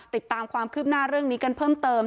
ติดตามความคืบหน้าเรื่องนี้กันเพิ่มเติม